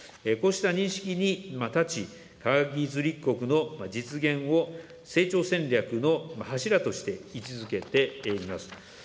こうした認識に立ち、科学技術立国の実現を、成長戦略の柱として位置づけています。